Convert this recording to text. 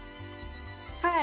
はい。